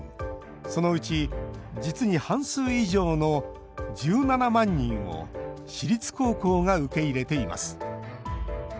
そのうち、実に半数以上の１７万人を私立高校が受け入れています。